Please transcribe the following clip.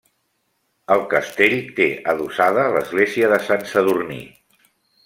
El castell té adossada l'església de Sant Sadurní.